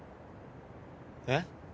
えっ？